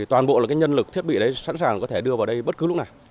toàn bộ nhân lực thiết bị đấy sẵn sàng có thể đưa vào đây bất cứ lúc nào